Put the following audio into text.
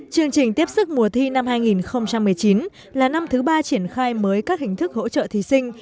chương trình tiếp sức mùa thi năm hai nghìn một mươi chín là năm thứ ba triển khai mới các hình thức hỗ trợ thí sinh